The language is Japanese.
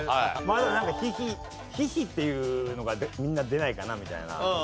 まあでもなんかヒヒヒヒっていうのがみんな出ないかなみたいな。